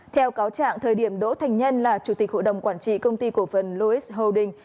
theo cáo trạng thời điểm đỗ thành nhân là chủ tịch hội đồng quản trị công ty cổ phần logistics holding